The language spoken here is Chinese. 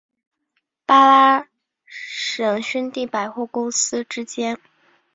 巴拉什兄弟百货公司之间。